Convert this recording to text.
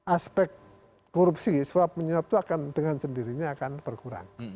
aspek korupsi suap menyuap itu akan dengan sendirinya akan berkurang